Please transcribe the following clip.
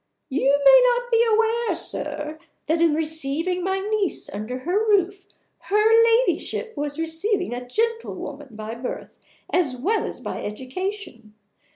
You may not be aware, sir, that in receiving my niece under her roof her Ladyship was receiving a gentlewoman by birth as well as by education.